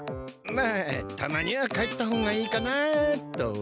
まあたまには帰った方がいいかなと。